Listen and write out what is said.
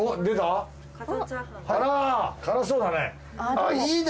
あら辛そうだね。